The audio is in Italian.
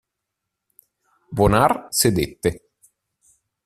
Bonard sedette.